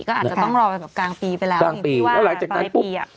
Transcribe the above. ก็อาจจะต้องรอกลางปีไปแล้วที่ว่าปลายปี